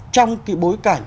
trong cái bối cảnh